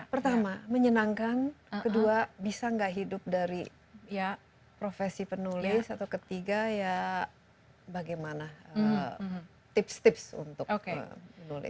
pertama menyenangkan kedua bisa nggak hidup dari profesi penulis atau ketiga ya bagaimana tips tips untuk menulis